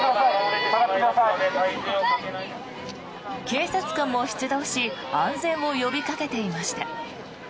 警察官も出動し安全を呼びかけていました。